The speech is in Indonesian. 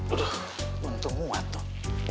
aduh untung muat tuh